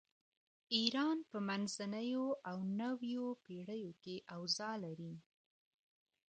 ایران په منځنیو او نویو پیړیو کې اوضاع لري.